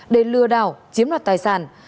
để lừa đảo chiếm hoạt tài sản